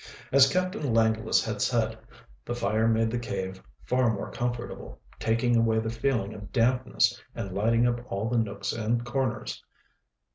As Captain Langless had said, the fire made the cave far more comfortable, taking away the feeling of dampness and lighting up all the nooks and corners.